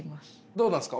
どうなんですか？